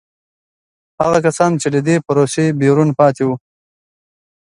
هغه کسان چې له دې پروسې بیرون پاتې وو.